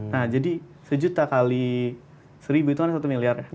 nah jadi sejuta kali seribu itu ada satu miliar